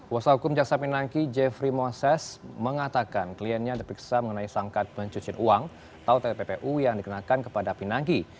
kuasa hukum jaksa pinangki jeffrey moses mengatakan kliennya diperiksa mengenai sangkat pencucian uang atau tppu yang dikenakan kepada pinangki